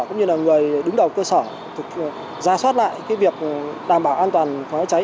cũng như người đứng đầu cơ sở giả soát lại việc đảm bảo an toàn khói cháy